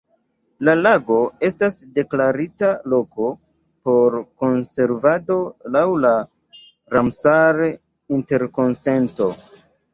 La lago estis deklarita loko por konservado laŭ la Ramsar-Interkonsento.